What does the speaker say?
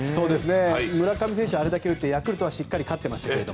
村上選手はあれだけ打ってヤクルトはしっかり勝ってましたけど。